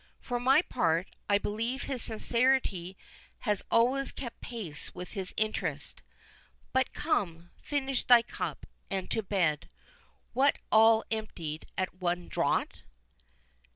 For my part, I believe his sincerity has always kept pace with his interest.—But come, finish thy cup, and to bed.—What, all emptied at one draught!"